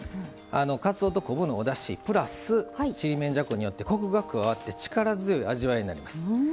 かつおと昆布のおだしプラスちりめんじゃこによってコクが加わって力強い味わいになります。